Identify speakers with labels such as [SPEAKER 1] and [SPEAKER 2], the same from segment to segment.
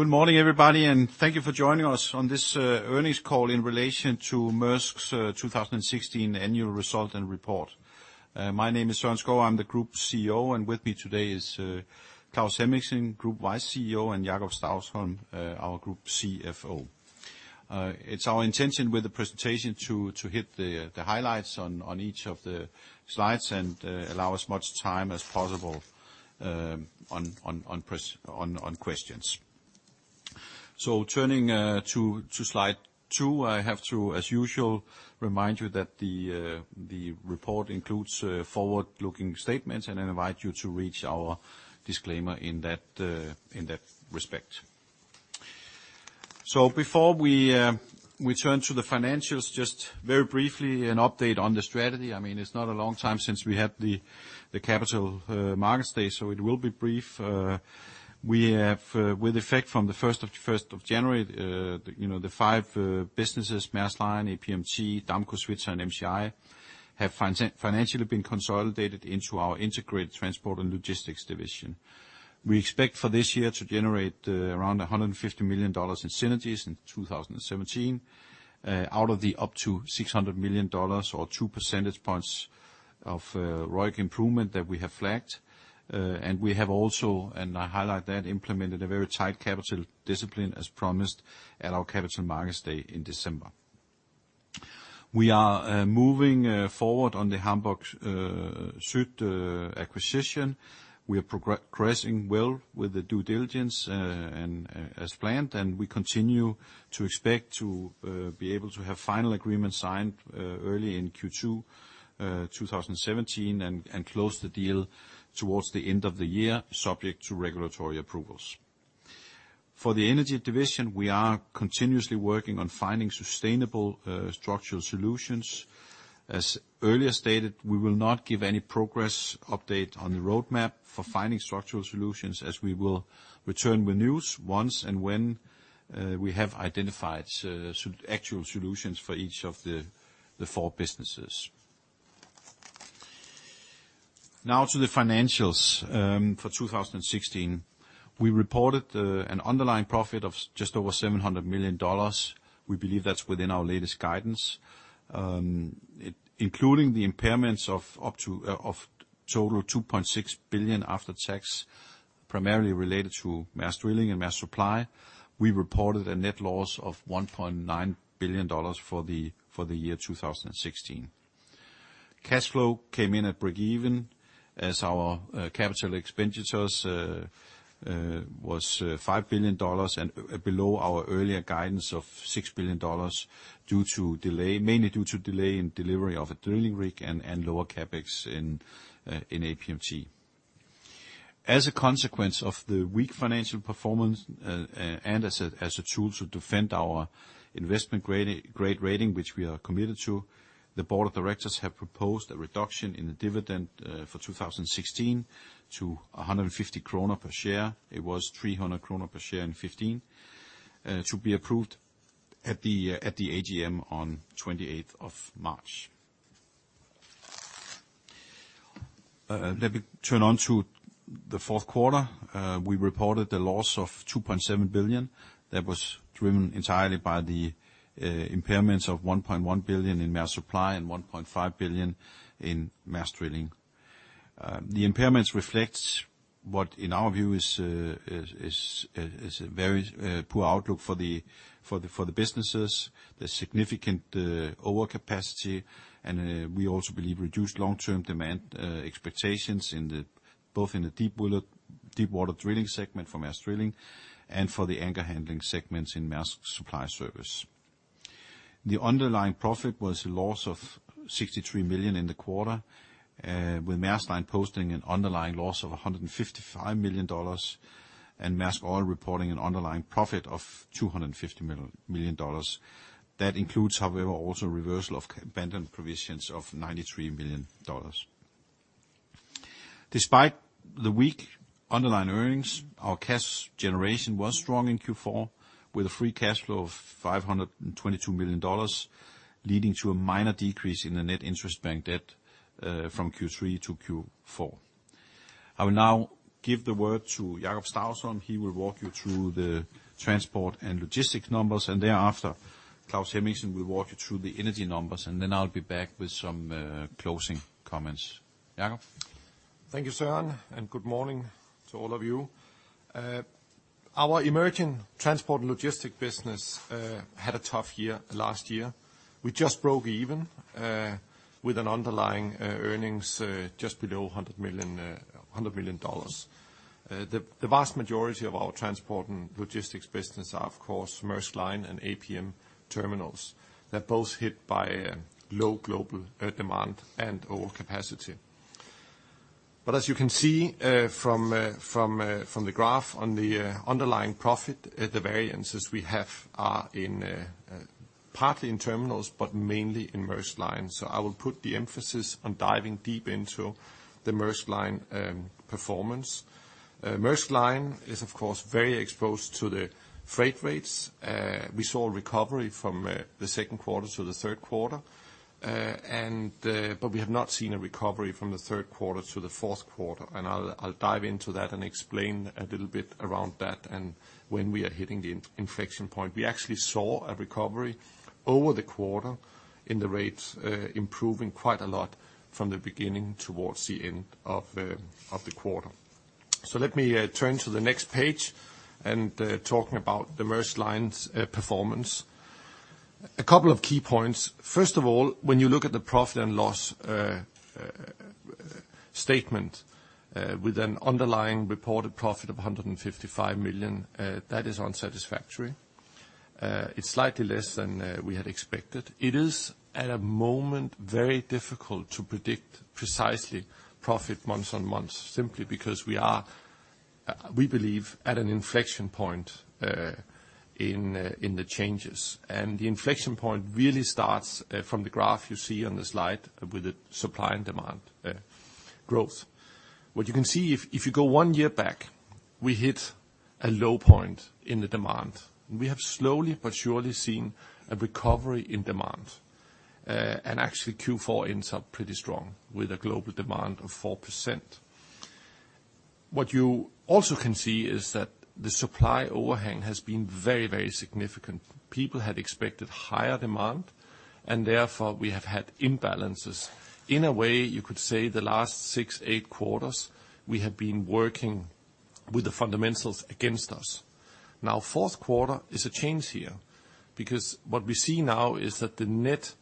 [SPEAKER 1] Good morning, everybody, and thank you for joining us on this earnings call in relation to Maersk's 2016 annual result and report. My name is Søren Skou, I'm the Group CEO, and with me today is Claus Hemmingsen, Group Vice CEO, and Jakob Stausholm, our Group CFO. It's our intention with the presentation to hit the highlights on each of the slides, and allow as much time as possible for questions. Turning to slide two, I have to, as usual, remind you that the report includes forward-looking statements, and I invite you to read our disclaimer in that respect. Before we turn to the financials, just very briefly an update on the strategy. I mean, it's not a long time since we had the Capital Markets Day, so it will be brief. We have with effect from the first of January, you know, the five businesses, Maersk Line, APMT, Damco, Svitzer, and MCI have financially been consolidated into our integrated transport and logistics division. We expect for this year to generate around $150 million in synergies in 2017, out of the up to $600 million or 2 percentage points of ROIC improvement that we have flagged. We have also implemented a very tight capital discipline as promised at our Capital Markets Day in December, and I highlight that. We are moving forward on the Hamburg Süd acquisition. We are progressing well with the due diligence, as planned, and we continue to expect to be able to have final agreements signed early in Q2 2017, and close the deal towards the end of the year, subject to regulatory approvals. For the Energy Division, we are continuously working on finding sustainable structural solutions. As earlier stated, we will not give any progress update on the roadmap for finding structural solutions as we will return with news once and when we have identified actual solutions for each of the four businesses. Now to the financials. For 2016, we reported an underlying profit of just over $700 million. We believe that's within our latest guidance. Including the impairments of total $2.6 billion after tax, primarily related to Maersk Drilling and Maersk Supply, we reported a net loss of $1.9 billion for the year 2016. Cash flow came in at breakeven as our capital expenditures was $5 billion and below our earlier guidance of $6 billion due to delay, mainly due to delay in delivery of a drilling rig and lower CapEx in APMT. As a consequence of the weak financial performance, and as a tool to defend our investment grade rating, which we are committed to, the board of directors have proposed a reduction in the dividend for 2016 to 150 kroner per share. It was 300 kroner per share in 2015, to be approved at the AGM on 28th of March. Let me turn to the fourth quarter. We reported a loss of 2.7 billion that was driven entirely by the impairments of 1.1 billion in Maersk Supply and 1.5 billion in Maersk Drilling. The impairments reflect what in our view is a very poor outlook for the businesses, the significant overcapacity, and we also believe reduced long-term demand expectations in both in the deep water drilling segment for Maersk Drilling and for the anchor handling segments in Maersk Supply Service. The underlying profit was a loss of $63 million in the quarter, with Maersk Line posting an underlying loss of $155 million and Maersk Oil reporting an underlying profit of $250 million. That includes, however, also reversal of abandoned provisions of $93 million. Despite the weak underlying earnings, our cash generation was strong in Q4, with a free cash flow of $522 million, leading to a minor decrease in the net interest-bearing debt from Q3 to Q4. I will now give the word to Jakob Stausholm. He will walk you through the Transport & Logistics numbers, and thereafter, Claus Hemmingsen will walk you through the Energy numbers, and then I'll be back with some closing comments. Jacob?
[SPEAKER 2] Thank you, Søren, and good morning to all of you. Our entire transport and logistics business had a tough year last year. We just broke even with an underlying earnings just below $100 million. The vast majority of our transport and logistics business are, of course, Maersk Line and APM Terminals. They are both hit by a low global demand and overcapacity. As you can see from the graph on the underlying profit, the variances we have are partly in terminals, but mainly in Maersk Line. I will put the emphasis on diving deep into the Maersk Line performance. Maersk Line is of course very exposed to the freight rates. We saw a recovery from the second quarter to the third quarter. We have not seen a recovery from the third quarter to the fourth quarter, and I'll dive into that and explain a little bit around that and when we are hitting the inflection point. We actually saw a recovery over the quarter and the rates improving quite a lot from the beginning towards the end of the quarter. Let me turn to the next page and talking about the Maersk Line's performance. A couple of key points. First of all, when you look at the profit and loss statement with an underlying reported profit of $155 million, that is unsatisfactory. It's slightly less than we had expected. It is at a moment very difficult to predict precisely profit months on months simply because we are, we believe, at an inflection point in the changes. The inflection point really starts from the graph you see on the slide with the supply and demand growth. What you can see if you go one year back, we hit a low point in the demand. We have slowly but surely seen a recovery in demand. Actually Q4 ends up pretty strong with a global demand of 4%. What you also can see is that the supply overhang has been very, very significant. People had expected higher demand, and therefore we have had imbalances. In a way, you could say the last six, eight quarters we have been working with the fundamentals against us. Now, fourth quarter is a change here because what we see now is that the net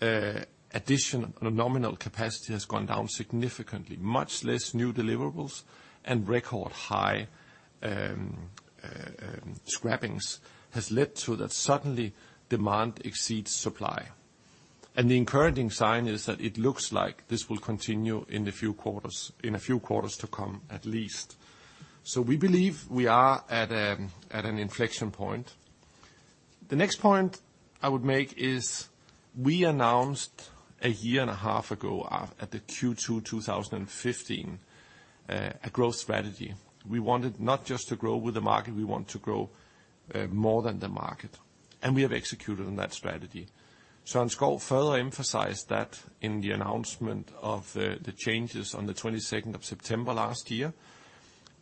[SPEAKER 2] addition on a nominal capacity has gone down significantly. Much less new deliverables and record high scrappings has led to that suddenly demand exceeds supply. The encouraging sign is that it looks like this will continue in a few quarters to come at least. We believe we are at an inflection point. The next point I would make is we announced a year and a half ago at the Q2 2015 a growth strategy. We wanted not just to grow with the market, we want to grow more than the market. We have executed on that strategy. Søren Skou further emphasized that in the announcement of the changes on the 22nd of September last year,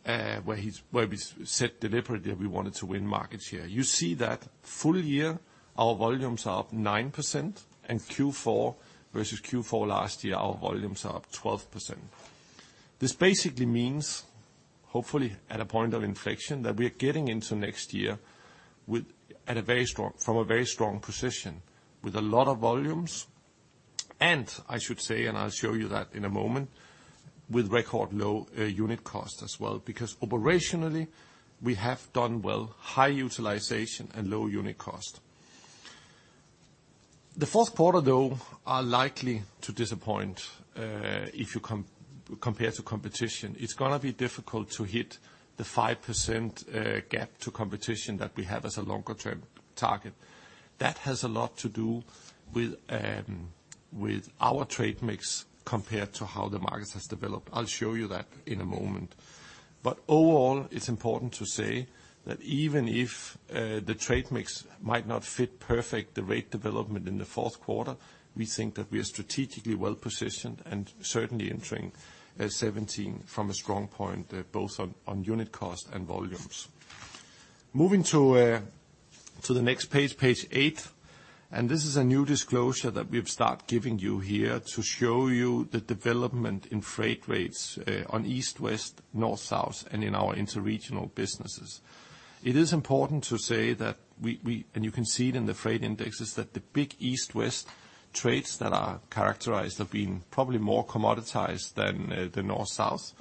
[SPEAKER 2] where we said deliberately that we wanted to win market share. You see that full year our volumes are up 9%, and Q4 versus Q4 last year, our volumes are up 12%. This basically means, hopefully at a point of inflection, that we're getting into next year with, from a very strong position with a lot of volumes, and I should say, and I'll show you that in a moment, with record low unit costs as well. Because operationally we have done well, high utilization and low unit cost. The fourth quarter, though, are likely to disappoint, if you compare to competition. It's gonna be difficult to hit the 5% gap to competition that we have as a longer term target. That has a lot to do with our trade mix compared to how the market has developed. I'll show you that in a moment. Overall, it's important to say that even if the trade mix might not fit perfect the rate development in the fourth quarter, we think that we are strategically well positioned and certainly entering 2017 from a strong point both on unit cost and volumes. Moving to the next page 8, and this is a new disclosure that we've start giving you here to show you the development in freight rates on East-West, North-South, and in our interregional businesses. It is important to say that and you can see it in the freight indexes, that the big East-West trades that are characterized have been probably more commoditized than the North-South.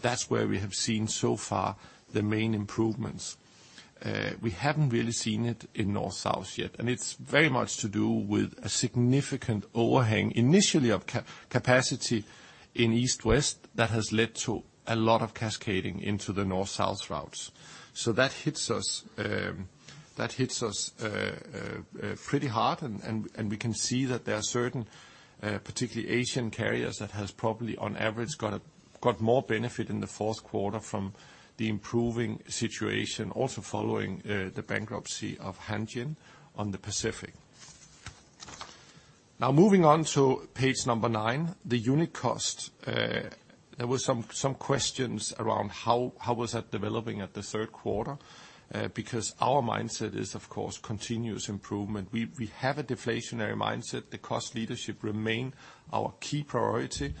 [SPEAKER 2] That's where we have seen so far the main improvements. We haven't really seen it in North-South yet, and it's very much to do with a significant overhang, initially of capacity in East-West that has led to a lot of cascading into the North-South routes. That hits us pretty hard and we can see that there are certain particularly Asian carriers that has probably on average got more benefit in the fourth quarter from the improving situation also following the bankruptcy of Hanjin on the Pacific. Now moving on to page number nine, the unit cost. There was some questions around how was that developing at the third quarter, because our mindset is of course continuous improvement. We have a deflationary mindset. The cost leadership remain our key priority,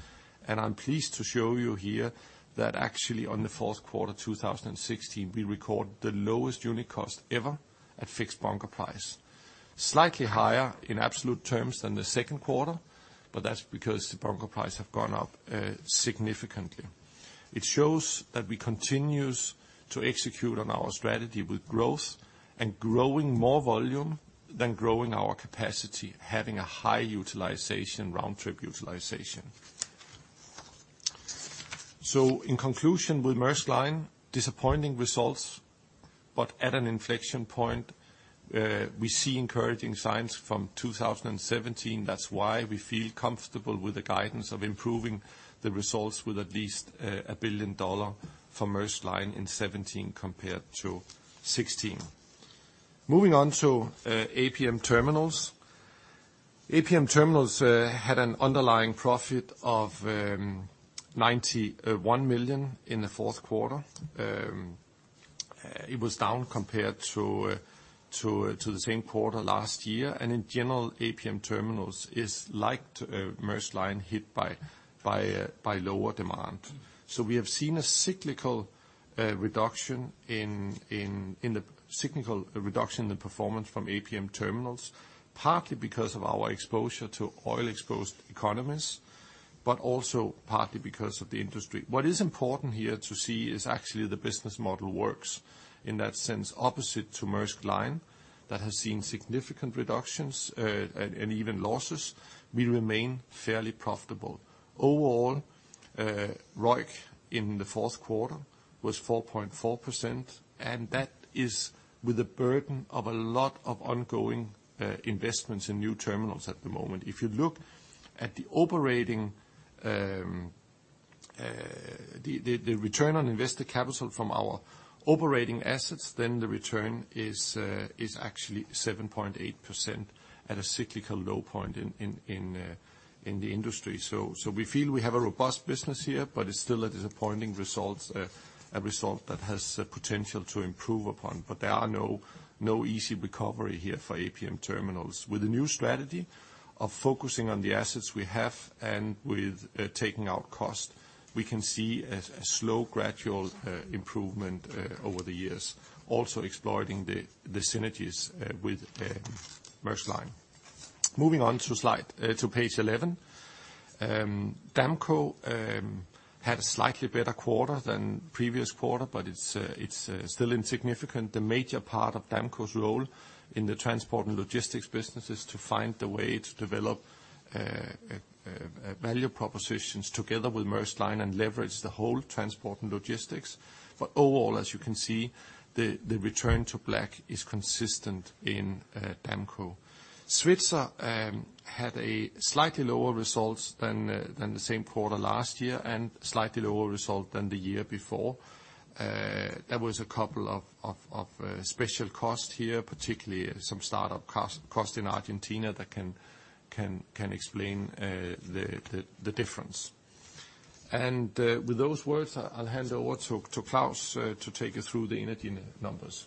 [SPEAKER 2] and I'm pleased to show you here that actually on the fourth quarter 2016, we record the lowest unit cost ever at fixed bunker price. Slightly higher in absolute terms than the second quarter, but that's because the bunker price have gone up, significantly. It shows that we continues to execute on our strategy with growth and growing more volume than growing our capacity, having a high utilization, round-trip utilization. In conclusion with Maersk Line, disappointing results, but at an inflection point. We see encouraging signs from 2017. That's why we feel comfortable with the guidance of improving the results with at least $1 billion for Maersk Line in 2017 compared to 2016. Moving on to APM Terminals. APM Terminals had an underlying profit of $91 million in the fourth quarter. It was down compared to the same quarter last year. In general, APM Terminals is like Maersk Line, hit by lower demand. We have seen a cyclical reduction in the performance from APM Terminals, partly because of our exposure to oil-exposed economies, but also partly because of the industry. What is important here to see is actually the business model works. In that sense, opposite to Maersk Line that has seen significant reductions and even losses, we remain fairly profitable. Overall, ROIC in the fourth quarter was 4.4%, and that is with the burden of a lot of ongoing investments in new terminals at the moment. If you look at the operating, the return on invested capital from our operating assets, then the return is actually 7.8% at a cyclical low point in the industry. We feel we have a robust business here, but it's still a disappointing result, a result that has potential to improve upon. There are no easy recovery here for APM Terminals. With the new strategy of focusing on the assets we have and with taking out cost, we can see a slow, gradual improvement over the years, also exploiting the synergies with Maersk Line. Moving on to slide to page 11. Damco had a slightly better quarter than previous quarter, but it's still insignificant. The major part of Damco's role in the transport and logistics business is to find the way to develop value propositions together with Maersk Line and leverage the whole transport and logistics. Overall, as you can see, the return to black is consistent in Damco. Svitzer had a slightly lower results than the same quarter last year, and slightly lower result than the year before. There was a couple of special costs here, particularly some startup cost in Argentina that can explain the difference. With those words, I'll hand over to Claus to take you through the Energy numbers.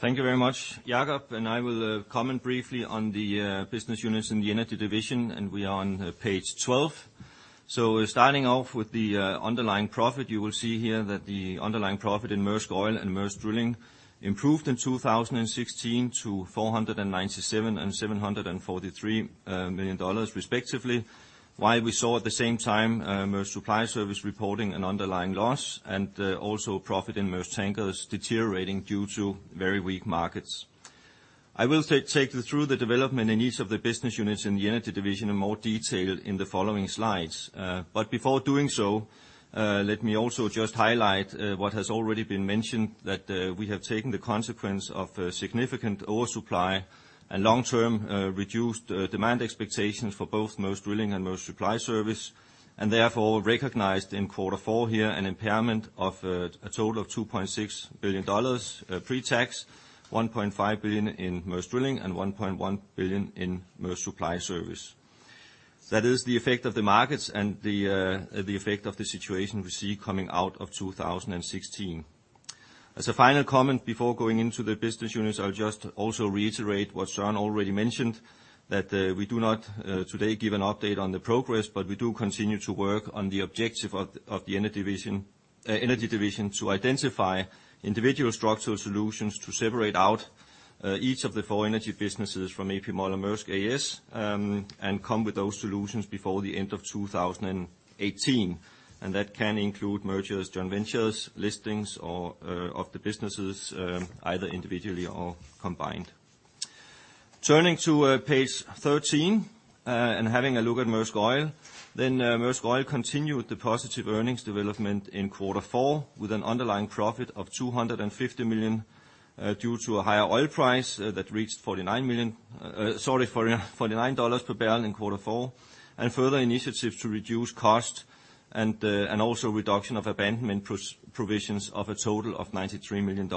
[SPEAKER 3] Thank you very much. Jakob and I will comment briefly on the business units in the Energy division, and we are on page 12. Starting off with the underlying profit, you will see here that the underlying profit in Maersk Oil and Maersk Drilling improved in 2016 to $497 million and $743 million respectively. While we saw at the same time, Maersk Supply Service reporting an underlying loss and also profit in Maersk Tankers deteriorating due to very weak markets. I will take you through the development in each of the business units in the Energy division in more detail in the following slides. Before doing so, let me also just highlight what has already been mentioned, that we have taken the consequence of a significant oversupply and long-term reduced demand expectations for both Maersk Drilling and Maersk Supply Service, and therefore recognized in quarter four here an impairment of a total of $2.6 billion pre-tax, $1.5 billion in Maersk Drilling and $1.1 billion in Maersk Supply Service. That is the effect of the markets and the effect of the situation we see coming out of 2016. As a final comment before going into the business units, I'll just also reiterate what Søren already mentioned, that we do not today give an update on the progress, but we do continue to work on the objective of the Energy division to identify individual structural solutions to separate out each of the four Energy businesses from A.P. Møller - Mærsk A/S, and come with those solutions before the end of 2018. That can include mergers, joint ventures, listings or of the businesses, either individually or combined. Turning to page 13 and having a look at Maersk Oil, Maersk Oil continued the positive earnings development in quarter four with an underlying profit of $250 million due to a higher oil price that reached $49 per barrel in quarter four, and further initiatives to reduce costs and also reduction of abandonment provisions of a total of $93 million.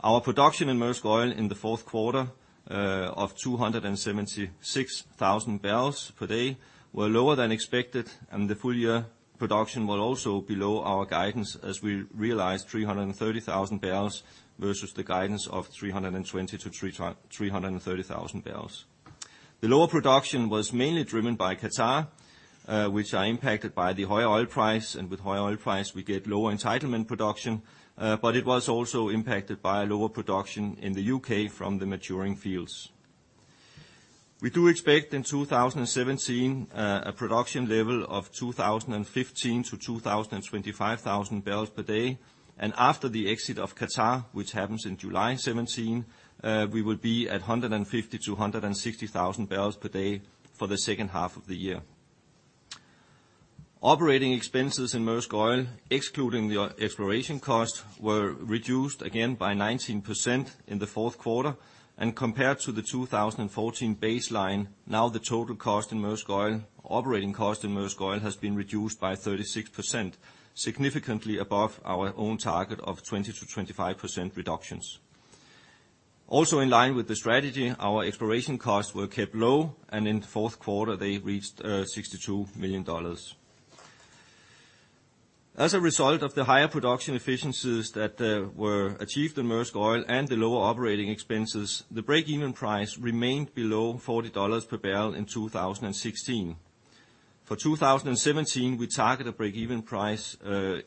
[SPEAKER 3] Our production in Maersk Oil in the fourth quarter of 276,000 barrels per day were lower than expected, and the full-year production was also below our guidance as we realized 330,000 barrels versus the guidance of 320,000-330,000 barrels. The lower production was mainly driven by Qatar, which are impacted by the higher oil price, and with higher oil price, we get lower entitlement production, but it was also impacted by lower production in the U.K. from the maturing fields. We do expect in 2017, a production level of 2,015-2,025 thousand barrels per day, and after the exit of Qatar, which happens in July 2017, we will be at 150,000-160,000 barrels per day for the second half of the year. Operating expenses in Maersk Oil, excluding the exploration costs, were reduced again by 19% in the fourth quarter. Compared to the 2014 baseline, now the total cost in Maersk Oil, operating cost in Maersk Oil, has been reduced by 36%, significantly above our own target of 20%-25% reductions. Also in line with the strategy, our exploration costs were kept low, and in the fourth quarter, they reached $62 million. As a result of the higher production efficiencies that were achieved in Maersk Oil and the lower operating expenses, the breakeven price remained below $40 per barrel in 2016. For 2017, we target a breakeven price,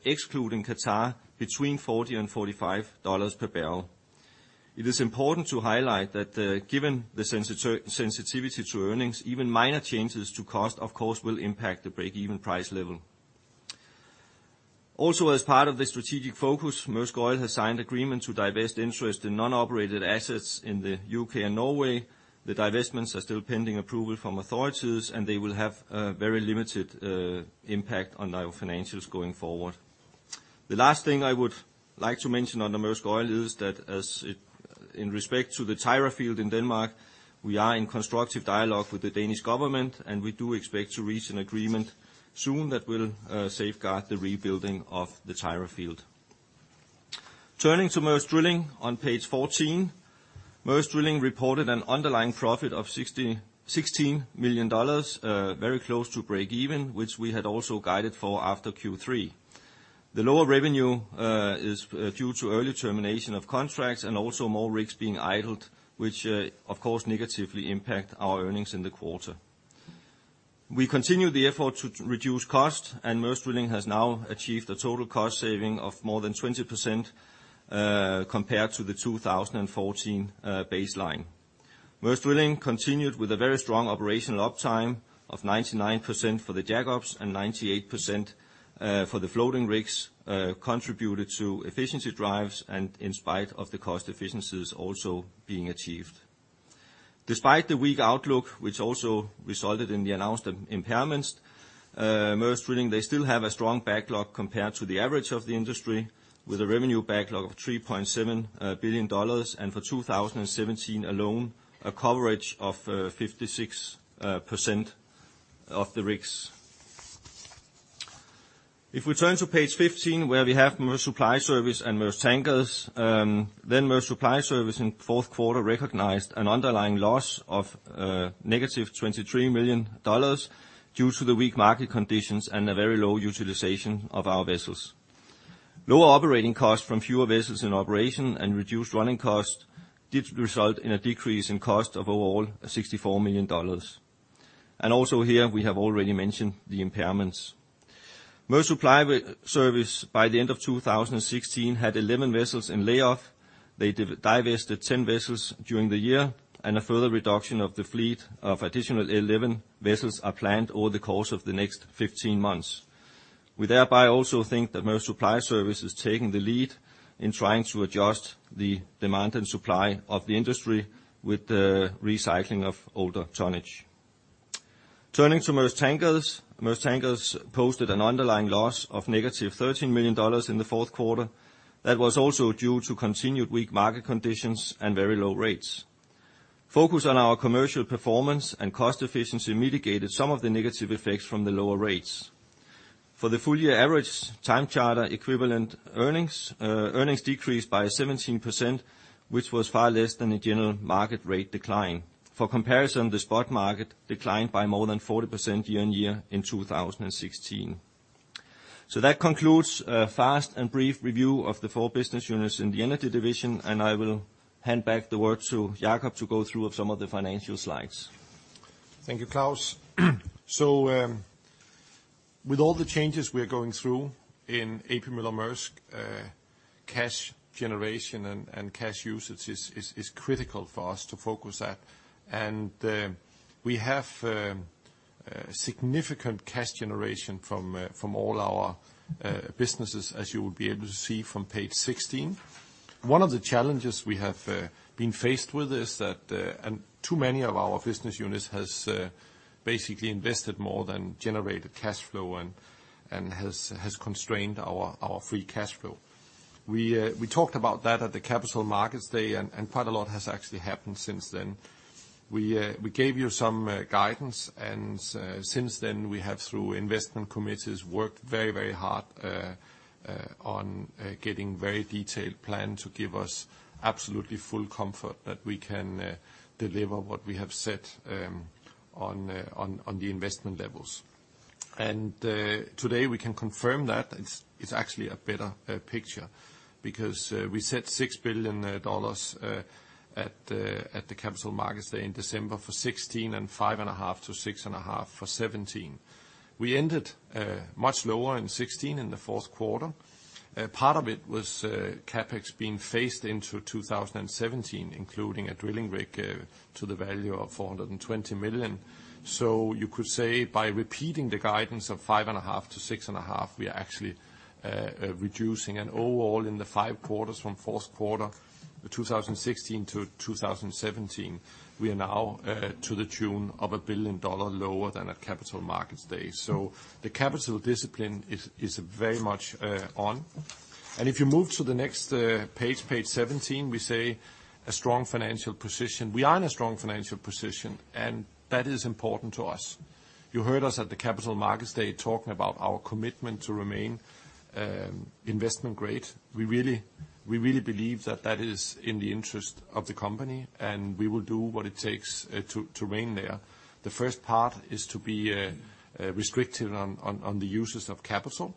[SPEAKER 3] excluding Qatar, between $40-$45 per barrel. It is important to highlight that, given the sensitivity to earnings, even minor changes to cost, of course, will impact the breakeven price level. Also, as part of the strategic focus, Maersk Oil has signed agreement to divest interest in non-operated assets in the U.K. and Norway. The divestments are still pending approval from authorities, and they will have a very limited impact on our financials going forward. The last thing I would like to mention under Maersk Oil is that, in respect to the Tyra field in Denmark, we are in constructive dialogue with the Danish government, and we do expect to reach an agreement soon that will safeguard the rebuilding of the Tyra field. Turning to Maersk Drilling on page 14. Maersk Drilling reported an underlying profit of $16 million, very close to breakeven, which we had also guided for after Q3. The lower revenue is due to early termination of contracts and also more rigs being idled, which, of course, negatively impact our earnings in the quarter. We continue the effort to reduce cost, and Maersk Drilling has now achieved a total cost saving of more than 20%, compared to the 2014 baseline. Maersk Drilling continued with a very strong operational uptime of 99% for the jack-ups and 98% for the floating rigs, contributed to efficiency drives and in spite of the cost efficiencies also being achieved. Despite the weak outlook, which also resulted in the announced impairments, Maersk Drilling, they still have a strong backlog compared to the average of the industry with a revenue backlog of $3.7 billion and for 2017 alone, a coverage of 56% of the rigs. If we turn to page 15, where we have Maersk Supply Service and Maersk Tankers, then Maersk Supply Service in fourth quarter recognized an underlying loss of -$23 million due to the weak market conditions and a very low utilization of our vessels. Lower operating costs from fewer vessels in operation and reduced running costs did result in a decrease in cost of overall $64 million. We have already mentioned the impairments. Maersk Supply Service, by the end of 2016, had 11 vessels in layoff. They divested 10 vessels during the year, and a further reduction of the fleet of additional 11 vessels are planned over the course of the next 15 months. We thereby also think that Maersk Supply Service is taking the lead in trying to adjust the demand and supply of the industry with the recycling of older tonnage. Turning to Maersk Tankers, Maersk Tankers posted an underlying loss of -$13 million in the fourth quarter. That was also due to continued weak market conditions and very low rates. Focus on our commercial performance and cost efficiency mitigated some of the negative effects from the lower rates. For the full year average time charter equivalent earnings decreased by 17%, which was far less than the general market rate decline. For comparison, the spot market declined by more than 40% year-on-year in 2016. That concludes a fast and brief review of the four business units in the Energy division, and I will hand back the word to Jakob to go through some of the financial slides.
[SPEAKER 2] Thank you, Claus. With all the changes we are going through in A.P. Møller - Mærsk, cash generation and cash usage is critical for us to focus at. We have significant cash generation from all our businesses, as you will be able to see from page 16. One of the challenges we have been faced with is that and too many of our business units has basically invested more than generated cash flow and has constrained our free cash flow. We talked about that at the Capital Markets Day, and quite a lot has actually happened since then. We gave you some guidance, and since then we have through investment committees worked very, very hard on getting very detailed plan to give us absolutely full comfort that we can deliver what we have said on the investment levels. Today we can confirm that it's actually a better picture because we set $6 billion at the Capital Markets Day in December for 2016 and $5.5 billion-$6.5 billion for 2017. We ended much lower in 2016 in the fourth quarter. Part of it was CapEx being phased into 2017, including a drilling rig to the value of $420 million. You could say by repeating the guidance of $5.5 billion-$6.5 billion, we are actually reducing. Overall, in the five quarters from fourth quarter 2016 to 2017, we are now to the tune of $1 billion lower than at Capital Markets Day. The capital discipline is very much on. If you move to the next page 17, we say a strong financial position. We are in a strong financial position, and that is important to us. You heard us at the Capital Markets Day talking about our commitment to remain investment grade. We really believe that that is in the interest of the company, and we will do what it takes to remain there. The first part is to be restrictive on the uses of capital.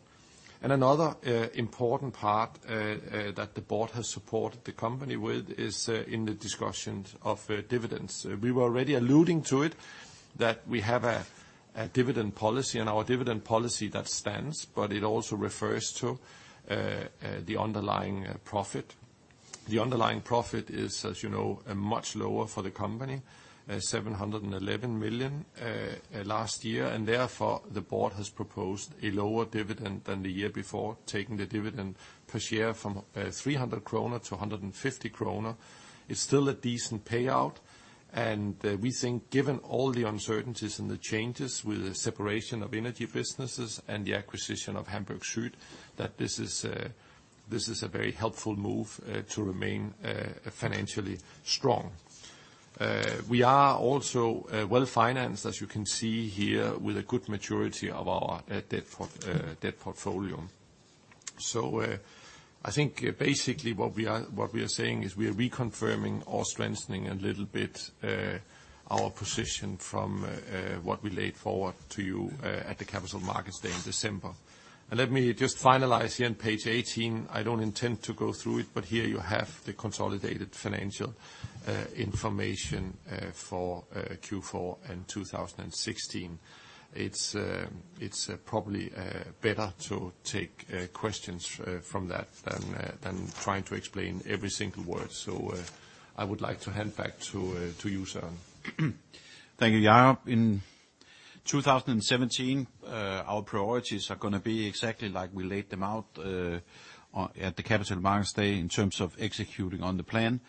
[SPEAKER 2] Another important part that the board has supported the company with is in the discussions of dividends. We were already alluding to it, that we have a dividend policy, and our dividend policy that stands, but it also refers to the underlying profit. The underlying profit is, as you know, much lower for the company, $711 million last year, and therefore, the board has proposed a lower dividend than the year before, taking the dividend per share from 300-150 kroner. It's still a decent payout, and we think given all the uncertainties and the changes with the separation of energy businesses and the acquisition of Hamburg Süd, that this is a very helpful move to remain financially strong. We are also well-financed, as you can see here, with a good maturity of our debt portfolio. I think basically what we are saying is we are reconfirming or strengthening a little bit our position from what we laid forward to you at the Capital Markets Day in December. Let me just finalize here on page 18. I don't intend to go through it, but here you have the consolidated financial information for Q4 in 2016. It's probably better to take questions from that than trying to explain every single word. I would like to hand back to you, Søren.
[SPEAKER 1] Thank you, Jakob. In 2017, our priorities are gonna be exactly like we laid them out at the Capital Markets Day in terms of executing on the plan.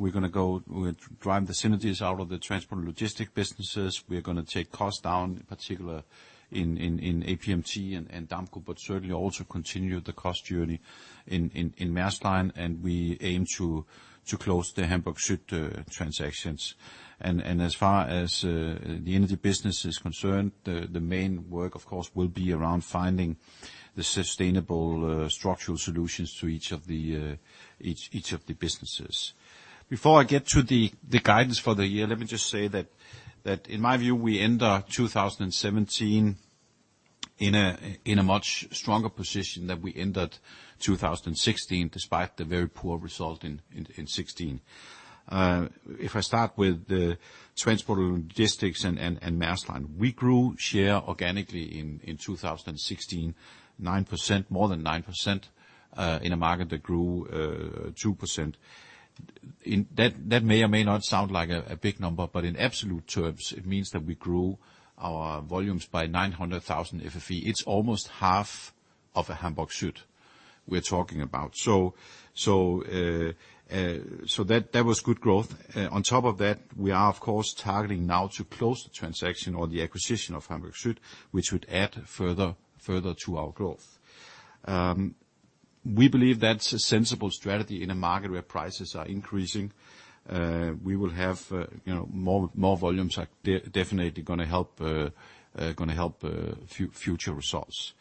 [SPEAKER 1] We're gonna drive the synergies out of the transport and logistics businesses. We are gonna take costs down, in particular in APMT and Damco, but certainly also continue the cost journey in Maersk Line, and we aim to close the Hamburg Süd transactions. As far as the energy business is concerned, the main work, of course, will be around finding the sustainable structural solutions to each of the businesses. Before I get to the guidance for the year, let me just say that in my view, we end 2017 in a much stronger position than we ended 2016, despite the very poor result in 2016. If I start with the Transport & Logistics and Maersk Line. We grew share organically in 2016 9%, more than 9%, in a market that grew 2%. That may or may not sound like a big number, but in absolute terms, it means that we grew our volumes by 900,000 FFE. It's almost half of a Hamburg Süd we're talking about. That was good growth. On top of that, we are of course targeting now to close the transaction or the acquisition of Hamburg Süd, which would add further to our growth. We believe that's a sensible strategy in a market where prices are increasing. We will have, you know, more volumes are definitely gonna help future results.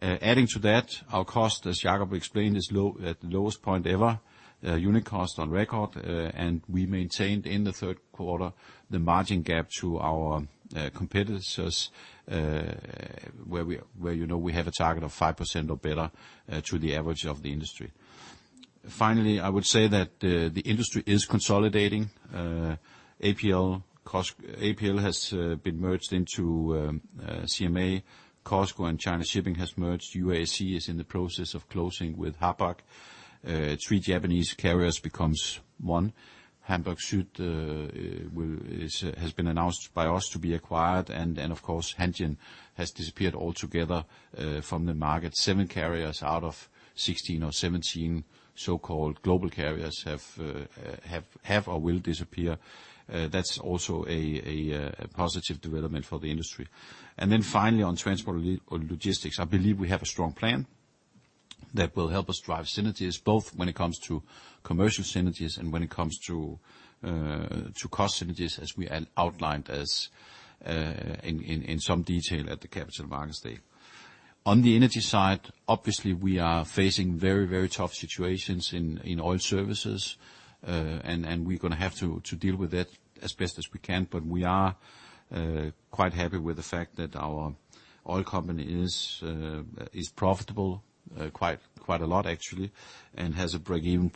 [SPEAKER 1] Adding to that, our cost, as Jacob explained, is low, at the lowest point ever, unit cost on record, and we maintained in the third quarter the margin gap to our competitors, where you know we have a target of 5% or better to the average of the industry. Finally, I would say that the industry is consolidating. APL, COSCO, APL has been merged into CMA. COSCO and China Shipping has merged. UASC is in the process of closing with Hapag-Lloyd. Three Japanese carriers become one. Hamburg Süd has been announced by us to be acquired. Of course, Hanjin has disappeared altogether from the market. Seven carriers out of sixteen or seventeen so-called global carriers have or will disappear. That's also a positive development for the industry. Finally, on transport or logistics, I believe we have a strong plan that will help us drive synergies, both when it comes to commercial synergies and when it comes to cost synergies, as we outlined in some detail at the Capital Markets Day. On the energy side, obviously, we are facing very, very tough situations in oil services, and we're gonna have to deal with that as best as we can. We are quite happy with the fact that our oil company is profitable quite a lot actually, and has a breakeven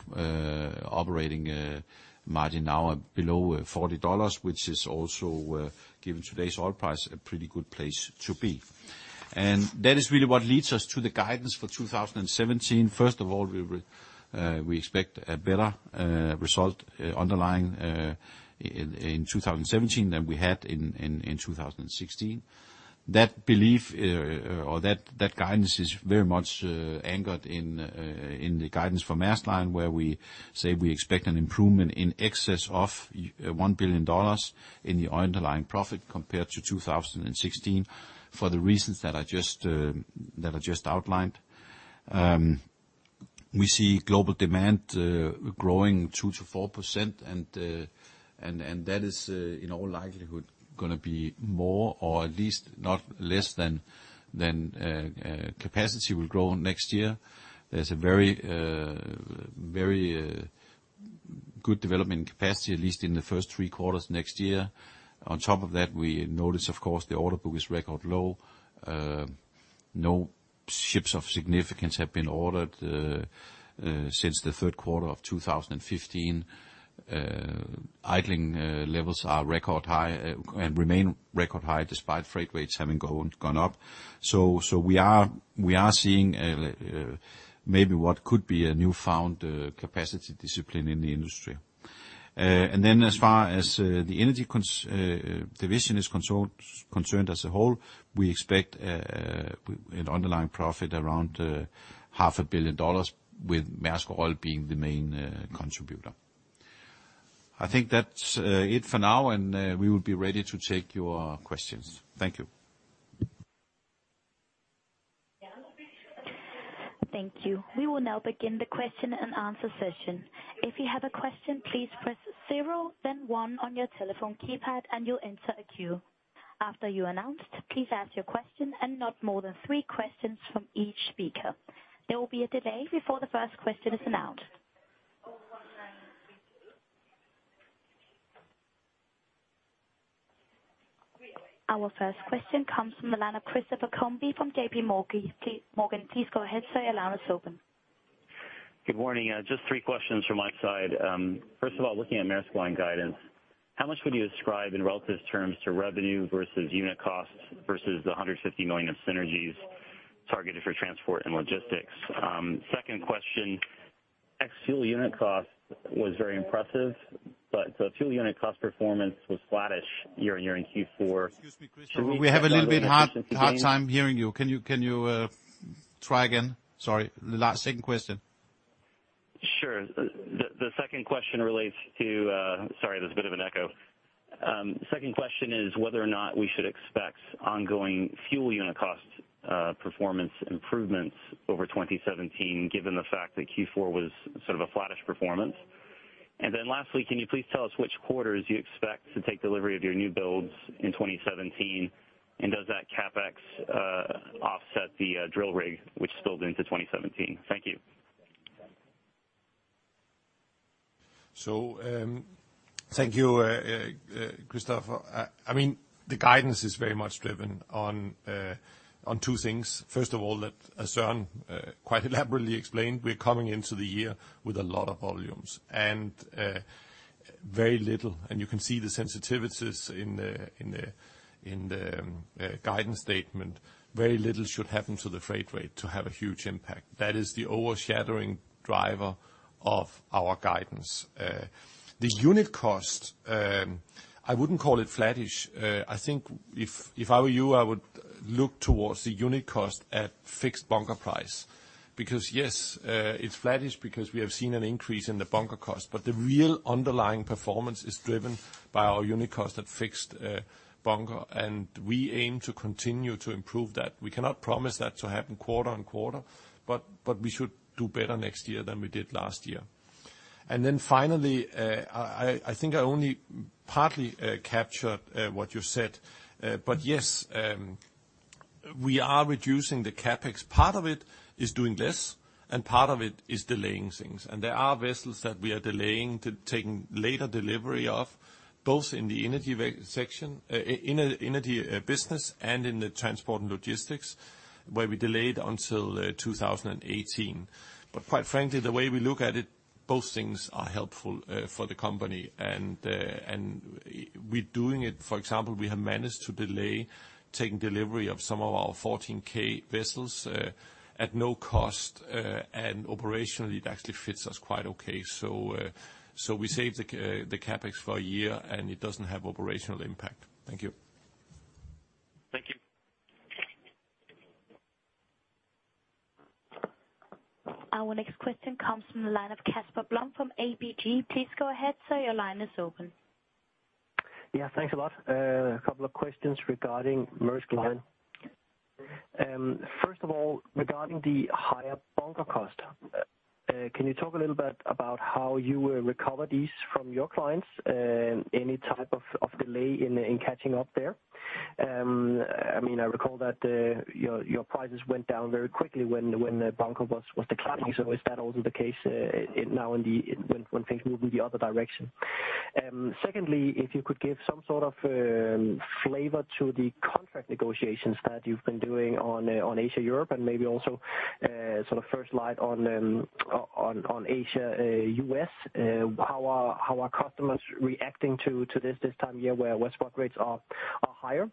[SPEAKER 1] operating margin now below $40, which is also given today's oil price, a pretty good place to be. That is really what leads us to the guidance for 2017. First of all, we expect a better result underlying in 2017 than we had in 2016. That belief or that guidance is very much anchored in the guidance for Maersk Line, where we say we expect an improvement in excess of $1 billion in the underlying profit compared to 2016 for the reasons that I just outlined. We see global demand growing 2%-4%. That is in all likelihood gonna be more or at least not less than capacity will grow next year. There's a very good development in capacity, at least in the first three quarters next year. On top of that, we notice, of course, the order book is record low. No ships of significance have been ordered since the third quarter of 2015. Idling levels are record high and remain record high despite freight rates having gone up. We are seeing maybe what could be a newfound capacity discipline in the industry. As far as the energy division is concerned as a whole, we expect an underlying profit around half a billion dollars with Maersk Oil being the main contributor. I think that's it for now, and we will be ready to take your questions. Thank you.
[SPEAKER 4] Thank you. We will now begin the question and answer session. If you have a question, please press zero, then one on your telephone keypad and you'll enter a queue. After you're announced, please ask your question and no more than three questions from each speaker. There will be a delay before the first question is announced. Our first question comes from the line of Christopher Combé from JP Morgan. Please, go ahead sir, your line is open.
[SPEAKER 5] Good morning. Just three questions from my side. First of all, looking at Maersk Line guidance, how much would you ascribe in relative terms to revenue versus unit costs versus the $150 million of synergies targeted for transport and logistics? Second question, ex-fuel unit cost was very impressive, but the fuel unit cost performance was flattish year on year in Q4.
[SPEAKER 1] Excuse me, Christian. We have a little bit hard time hearing you. Can you try again? Sorry. Last second question.
[SPEAKER 5] Sure. Sorry, there's a bit of an echo. Second question is whether or not we should expect ongoing fuel unit cost performance improvements over 2017, given the fact that Q4 was sort of a flattish performance. Lastly, can you please tell us which quarters you expect to take delivery of your new builds in 2017? Does that CapEx offset the drill rig which spilled into 2017? Thank you.
[SPEAKER 2] Thank you, Christopher. I mean, the guidance is very much driven on two things. First of all, that as Søren quite elaborately explained, we're coming into the year with a lot of volumes. Very little, and you can see the sensitivities in the guidance statement. Very little should happen to the freight rate to have a huge impact. That is the overshadowing driver of our guidance. The unit cost, I wouldn't call it flattish. I think if I were you, I would look towards the unit cost at fixed bunker price. Because yes, it's flattish because we have seen an increase in the bunker cost, but the real underlying performance is driven by our unit cost at fixed bunker, and we aim to continue to improve that. We cannot promise that to happen quarter on quarter, but we should do better next year than we did last year. Then finally, I think I only partly captured what you said. But yes, we are reducing the CapEx. Part of it is doing less, and part of it is delaying things. There are vessels that we are delaying to taking later delivery of, both in the energy section in the Energy business and in the Transport and Logistics, where we delayed until 2018. Quite frankly, the way we look at it, both things are helpful for the company. We're doing it, for example, we have managed to delay taking delivery of some of our 14K vessels at no cost, and operationally it actually fits us quite okay. We save the CapEx for a year, and it doesn't have operational impact. Thank you.
[SPEAKER 5] Thank you.
[SPEAKER 4] Our next question comes from the line of Casper Blom from ABG. Please go ahead sir, your line is open.
[SPEAKER 6] Yeah, thanks a lot. A couple of questions regarding Maersk Line. First of all, regarding the higher bunker cost, can you talk a little bit about how you will recover these from your clients? Any type of delay in catching up there? I mean, I recall that your prices went down very quickly when the bunker was declining. Is that also the case now when things move in the other direction? Secondly, if you could give some sort of flavor to the contract negotiations that you've been doing on Asia-Europe and maybe also sort of first light on Asia-U.S. How are customers reacting to this time of year where Westsport rates are higher?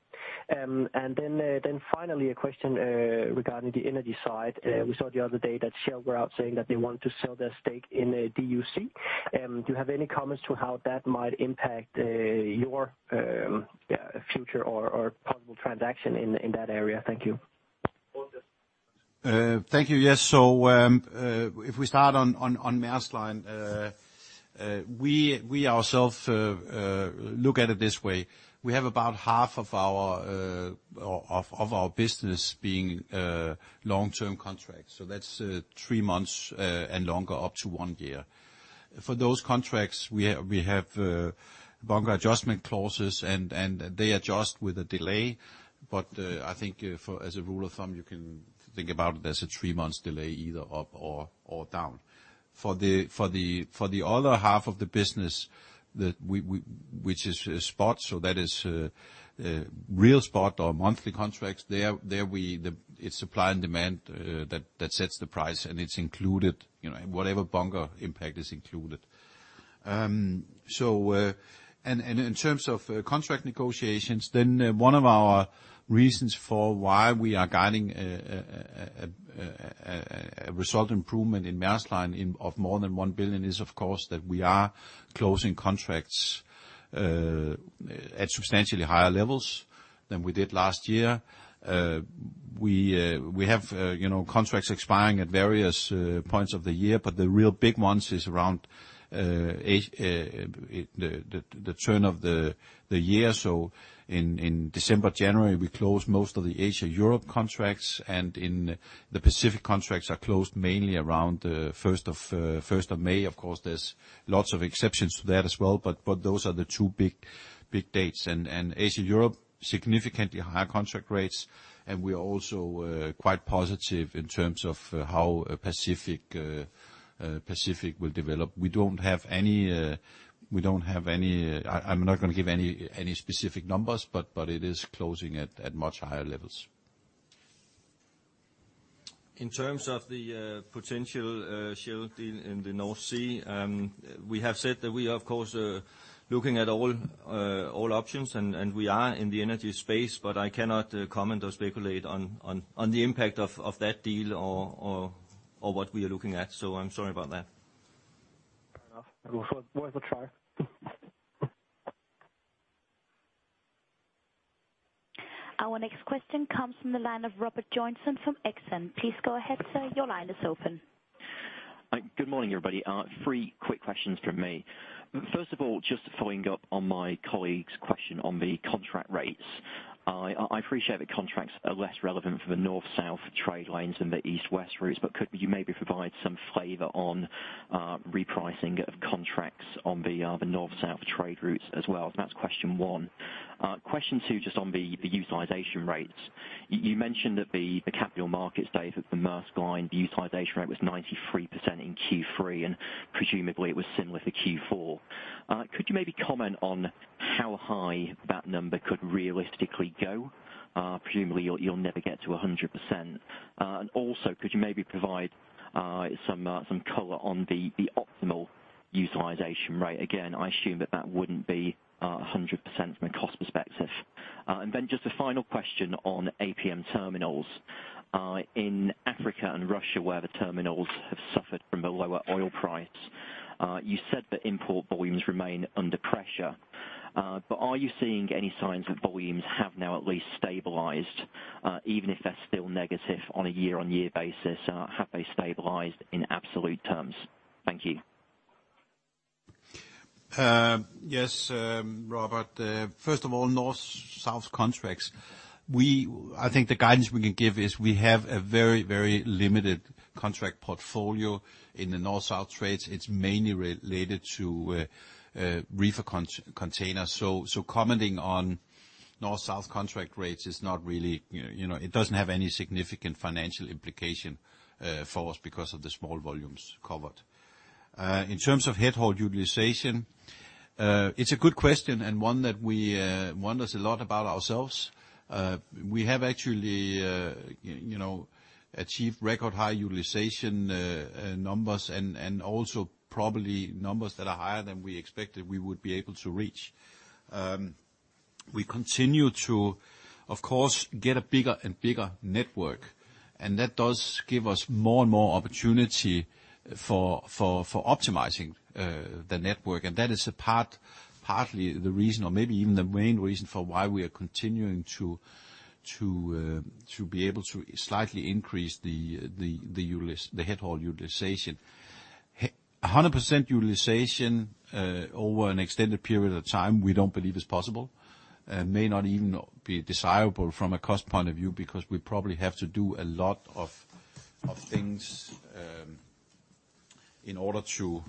[SPEAKER 6] Finally a question regarding the energy side. We saw the other day that Shell were out saying that they want to sell their stake in DUC. Do you have any comments to how that might impact your future or possible transaction in that area? Thank you.
[SPEAKER 1] Thank you. Yes. If we start on Maersk Line, we ourselves look at it this way. We have about half of our business being long-term contracts, so that's three months and longer, up to one year. For those contracts, we have bunker adjustment clauses and they adjust with a delay, but I think, as a rule of thumb, you can think about it as a three months delay, either up or down. For the other half of the business that which is spot, so that is real spot or monthly contracts, there it's supply and demand that sets the price and it's included, you know, whatever bunker impact is included. In terms of contract negotiations, one of our reasons for why we are guiding a result improvement in Maersk Line of more than $1 billion is of course that we are closing contracts at substantially higher levels than we did last year. We have you know contracts expiring at various points of the year, but the real big ones is around the turn of the year. In December/January, we close most of the Asia-Europe contracts, and in the Pacific contracts are closed mainly around first of May. Of course, there's lots of exceptions to that as well, but those are the two big dates. Asia-Europe significantly higher contract rates, and we are also quite positive in terms of how Pacific will develop. We don't have any. I'm not gonna give any specific numbers, but it is closing at much higher levels.
[SPEAKER 3] In terms of the potential Shell deal in the North Sea, we have said that we are, of course, looking at all options and we are in the energy space, but I cannot comment or speculate on the impact of that deal or what we are looking at. I'm sorry about that.
[SPEAKER 6] Fair enough. It was worth a try.
[SPEAKER 4] Our next question comes from the line of Robert Joynson from Exane. Please go ahead, sir. Your line is open.
[SPEAKER 7] Hi. Good morning, everybody. Three quick questions from me. First of all, just following up on my colleague's question on the contract rates. I appreciate that contracts are less relevant for the North-South trade lines than the East-West routes, but could you maybe provide some flavor on repricing of contracts on the North-South trade routes as well? That's question one. Question two, just on the utilization rates. You mentioned at the Capital Markets Day for the Maersk Line, the utilization rate was 93% in Q3, and presumably it was similar for Q4. Could you maybe comment on how high that number could realistically go? Presumably you'll never get to 100%. And also could you maybe provide some color on the optimal utilization rate? Again, I assume that wouldn't be 100% from a cost perspective. Just a final question on APM Terminals. In Africa and Russia, where the terminals have suffered from the lower oil price, you said that import volumes remain under pressure. Are you seeing any signs that volumes have now at least stabilized, even if they're still negative on a year-on-year basis, have they stabilized in absolute terms? Thank you.
[SPEAKER 1] Yes, Robert. First of all, North-South contracts. I think the guidance we can give is we have a very, very limited contract portfolio in the North-South trades. It's mainly related to reefer containers. Commenting on North-South contract rates is not really, you know, it doesn't have any significant financial implication for us because of the small volumes covered. In terms of head haul utilization, it's a good question, and one that we wonder a lot about ourselves. We have actually, you know, achieved record high utilization numbers and also probably numbers that are higher than we expected we would be able to reach. We continue to, of course, get a bigger and bigger network, and that does give us more and more opportunity for optimizing the network. That is a part, partly the reason or maybe even the main reason for why we are continuing to be able to slightly increase the head haul utilization. 100% utilization over an extended period of time, we don't believe is possible. May not even be desirable from a cost point of view, because we probably have to do a lot of things in order to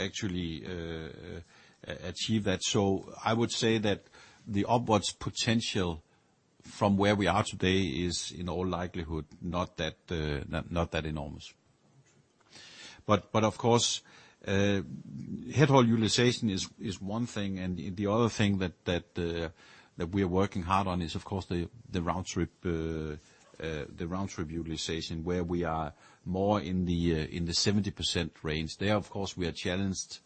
[SPEAKER 1] actually achieve that. I would say that the upwards potential from where we are today is in all likelihood not that enormous. Of course, head haul utilization is one thing, and the other thing that we're working hard on is of course the round-trip utilization, where we are more in the 70% range. There, of course, we are challenged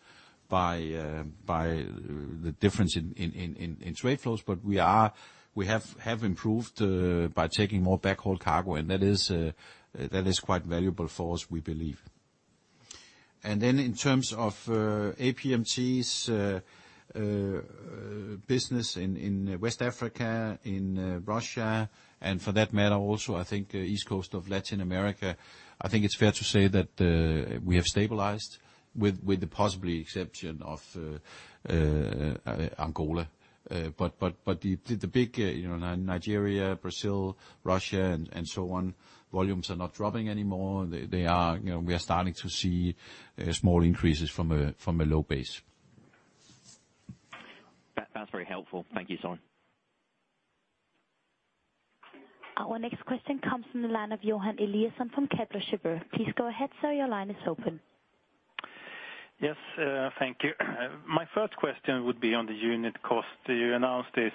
[SPEAKER 1] by the difference in trade flows, but we have improved by taking more backhaul cargo, and that is quite valuable for us, we believe. In terms of APMT's business in West Africa, in Russia, and for that matter also, I think, East Coast of Latin America, I think it's fair to say that we have stabilized with the possible exception of Angola. The big, you know, Nigeria, Brazil, Russia and so on, volumes are not dropping anymore. They are, you know, we are starting to see small increases from a low base.
[SPEAKER 7] That's very helpful. Thank you, Søren.
[SPEAKER 4] Our next question comes from the line of Johan Eliason from Kepler Cheuvreux. Please go ahead, sir, your line is open.
[SPEAKER 8] Yes, thank you. My first question would be on the unit cost. You announced this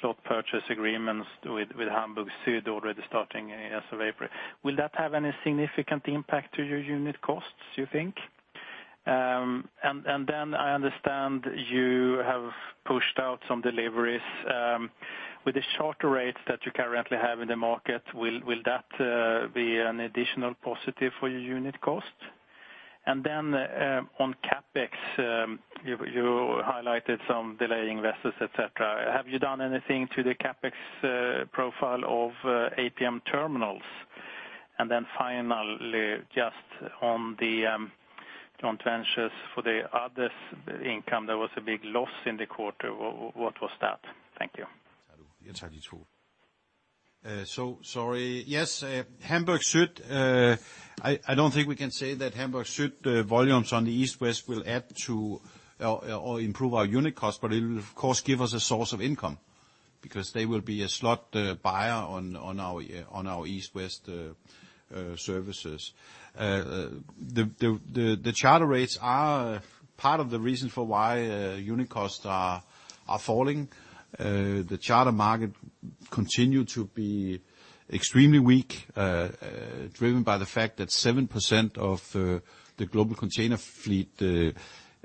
[SPEAKER 8] slot purchase agreements with Hamburg Süd already starting as of April. Will that have any significant impact to your unit costs, you think? I understand you have pushed out some deliveries. With the softer rates that you currently have in the market, will that be an additional positive for your unit cost? On CapEx, you highlighted some delay in vessels, et cetera. Have you done anything to the CapEx profile of APM Terminals? Finally, just on the joint ventures for the other income, there was a big loss in the quarter. What was that? Thank you.
[SPEAKER 1] Sorry. Yes, Hamburg Süd, I don't think we can say that Hamburg Süd volumes on the East-West will add to or improve our unit cost, but it will of course give us a source of income because they will be a slot buyer on our East-West services. The charter rates are part of the reason for why unit costs are falling. The charter market continued to be extremely weak, driven by the fact that 7% of the global container fleet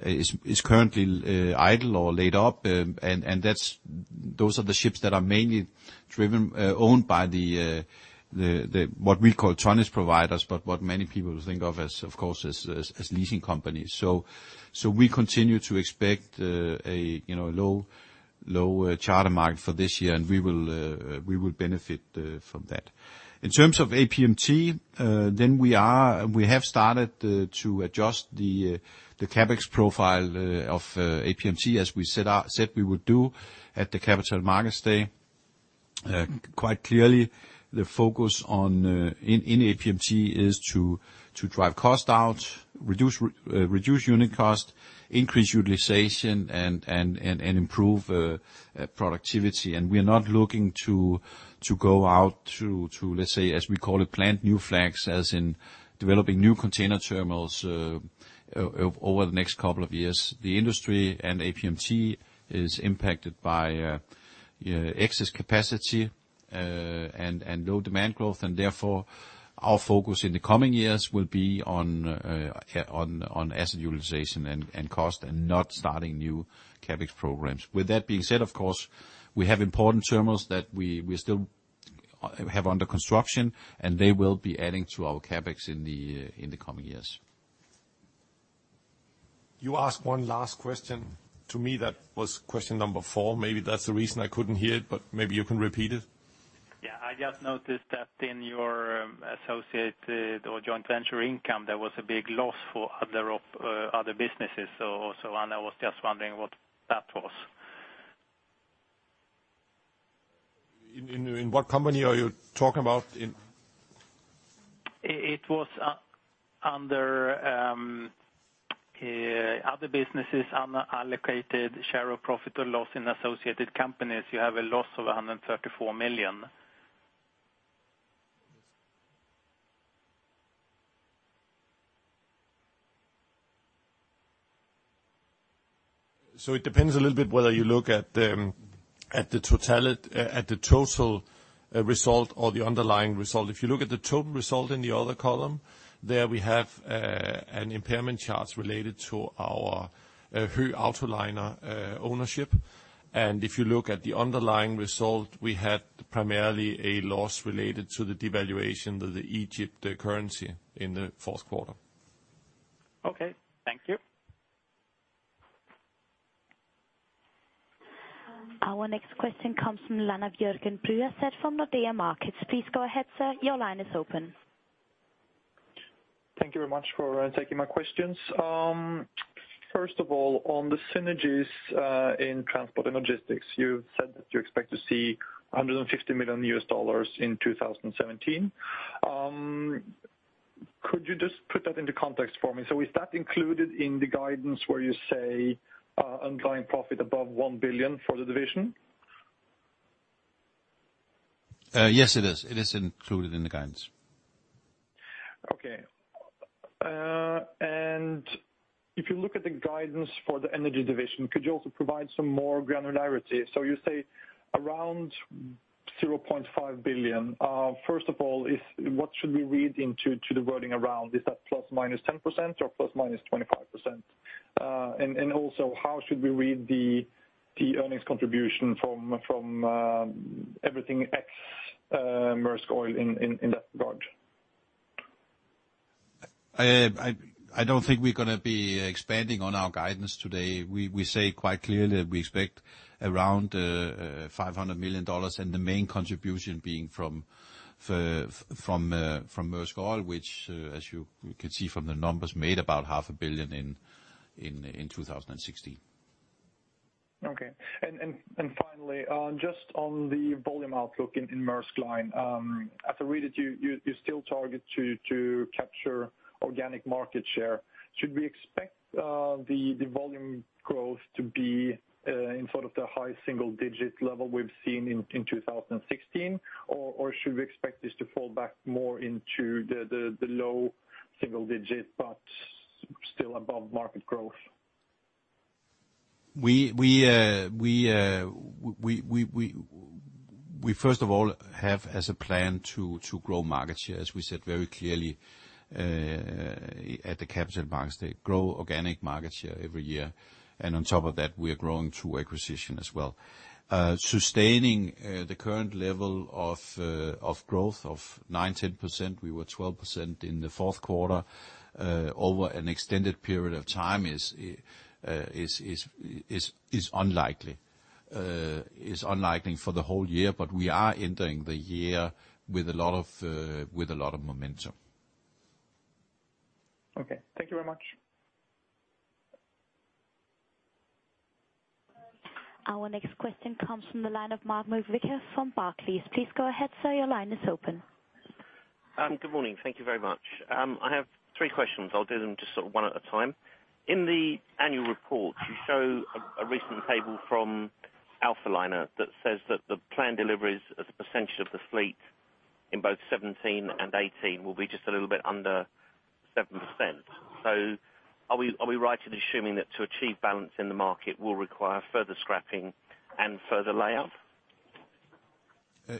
[SPEAKER 1] is currently idle or laid up. Those are the ships that are mainly driven, owned by the what we call tonnage providers, but what many people think of as, of course, leasing companies. We continue to expect a you know low charter market for this year, and we will benefit from that. In terms of APMT, we have started to adjust the CapEx profile of APMT as we set out, said we would do at the Capital Markets Day. Quite clearly the focus on in APMT is to drive cost out, reduce unit cost, increase utilization and improve productivity. We are not looking to go out to, let's say as we call it, plant new flags as in developing new container terminals over the next couple of years. The industry and APMT is impacted by excess capacity and low demand growth, and therefore our focus in the coming years will be on asset utilization and cost, and not starting new CapEx programs. With that being said, of course, we have important terminals that we still have under construction, and they will be adding to our CapEx in the coming years. You asked one last question to me that was question number four. Maybe that's the reason I couldn't hear it, but maybe you can repeat it.
[SPEAKER 8] Yeah, I just noticed that in your associated or joint venture income, there was a big loss for other businesses or so on. I was just wondering what that was.
[SPEAKER 1] In what company are you talking about in?
[SPEAKER 8] It was under other businesses, unallocated share of profit or loss in associated companies. You have a loss of $134 million.
[SPEAKER 1] It depends a little bit whether you look at the total result or the underlying result. If you look at the total result in the other column, there we have an impairment charge related to our Höegh Autoliners ownership. If you look at the underlying result, we had primarily a loss related to the devaluation of the Egypt currency in the fourth quarter.
[SPEAKER 8] Okay. Thank you.
[SPEAKER 4] Our next question comes from the line of Jørgen Bruaset from Nordea Markets. Please go ahead, sir. Your line is open.
[SPEAKER 9] Thank you very much for taking my questions. First of all, on the synergies in transport and logistics, you've said that you expect to see $150 million in 2017. Could you just put that into context for me? Is that included in the guidance where you say underlying profit above $1 billion for the division?
[SPEAKER 1] Yes, it is. It is included in the guidance.
[SPEAKER 9] Okay. If you look at the guidance for the energy division, could you also provide some more granularity? You say around $0.5 billion. First of all, what should we read into the wording around? Is that ±10% or ±25%? Also, how should we read the earnings contribution from everything ex Maersk Oil in that regard.
[SPEAKER 1] I don't think we're gonna be expanding on our guidance today. We say quite clearly that we expect around $500 million and the main contribution being from Maersk Oil, which, as you can see from the numbers, made about half a billion dollars in 2016.
[SPEAKER 9] Okay. Finally, just on the volume outlook in Maersk Line. I can read that you still target to capture organic market share. Should we expect the volume growth to be in front of the high single digit level we've seen in 2016? Or should we expect this to fall back more into the low single digit but still above market growth?
[SPEAKER 1] We first of all have a plan to grow market share, as we said very clearly at the Capital Markets Day, grow organic market share every year. On top of that, we are growing through acquisition as well. Sustaining the current level of growth of 9%-10%, we were 12% in the fourth quarter, over an extended period of time is unlikely for the whole year, but we are entering the year with a lot of momentum.
[SPEAKER 9] Okay. Thank you very much.
[SPEAKER 4] Our next question comes from the line of Mark McVicar from Barclays. Please go ahead, sir. Your line is open.
[SPEAKER 10] Good morning. Thank you very much. I have three questions. I'll do them just one at a time. In the annual report, you show a recent table from Alphaliner that says that the planned deliveries as a percentage of the fleet in both 2017 and 2018 will be just a little bit under 7%. Are we right in assuming that to achieve balance in the market will require further scrapping and further layout?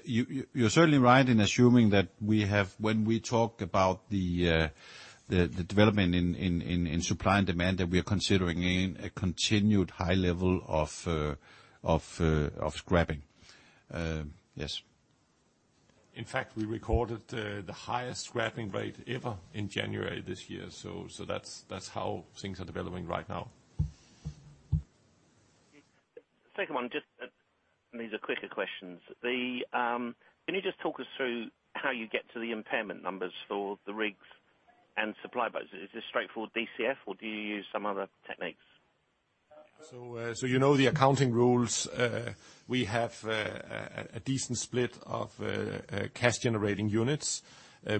[SPEAKER 1] You're certainly right in assuming that when we talk about the development in supply and demand, that we are considering a continued high level of scrapping. Yes.
[SPEAKER 2] In fact, we recorded the highest scrapping rate ever in January this year. That's how things are developing right now.
[SPEAKER 10] Second one, just, these are quicker questions. Can you just talk us through how you get to the impairment numbers for the rigs and supply boats? Is this straight forward DCF or do you use some other techniques?
[SPEAKER 2] You know the accounting rules. We have a decent split of cash-generating units.